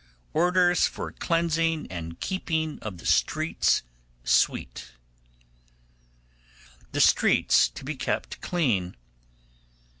ORDERS FOR CLEANSING AND KEEPING OF THE STREETS SWEPT. The Streets to be kept Clean.